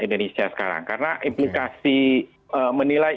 indonesia sekarang karena